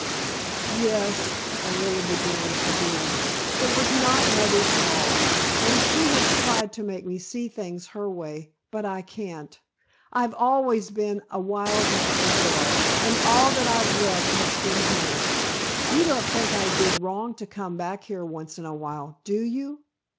"Yes," Orilla began again, "it was not mother's fault. And she has tried to make me see things her way; but I can't. I've always been a wild mountain girl and all that I've loved has been here. You don't think I did wrong to come back here once in a while, do you?"